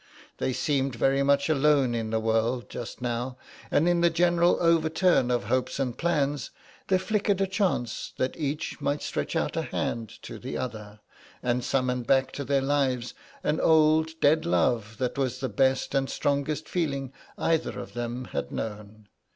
They seemed very much alone in the world just now, and in the general overturn of hopes and plans, there flickered a chance that each might stretch out a hand to the other, and summon back to their lives an old dead love that was the best and strongest feeling either of them had known.